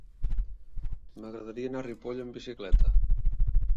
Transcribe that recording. M'agradaria anar a Ripoll amb bicicleta.